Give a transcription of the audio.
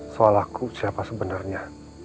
soal aku siapa sebenarnya